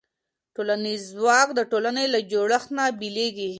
ټولنیز ځواک د ټولنې له جوړښت نه بېلېږي.